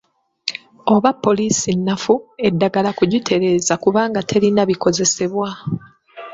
Oba poliisi nnafu, eddagala kugitereeza kubanga terina bikozesebwa.